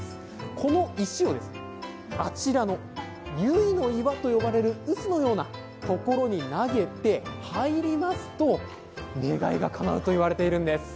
この石を岩に投げてうすのようなところに投げて入りますと願いがかなうといわれているんです。